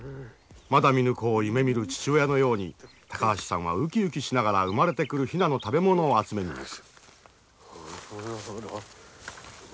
まだ見ぬ子を夢みる父親のように高橋さんはうきうきしながら生まれてくるヒナの食べ物を集めに行く。